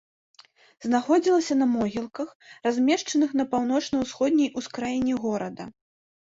Знаходзілася на могілках, размешчаных на паўночна-ўсходняй ускраіне горада.